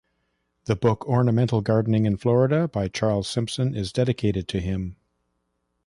The book "Ornamental Gardening in Florida" by Charles Simpson is dedicated to him.